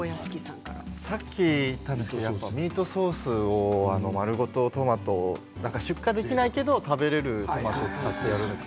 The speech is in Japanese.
さっきミートソースを丸ごと出荷できないけど食べられるトマトを使ってやるんです。